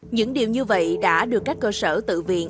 những điều như vậy đã được các cơ sở tự viện